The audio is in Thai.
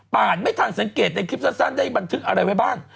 ไม่ทันสังเกตในคลิปสั้นได้บันทึกอะไรไว้บ้าง